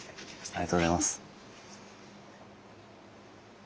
ありがとうございます。